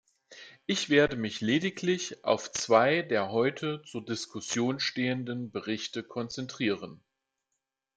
Ich werde mich lediglich auf zwei der heute zur Diskussion stehenden Berichte konzentrieren.